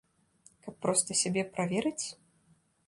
Каб проста сябе праверыць?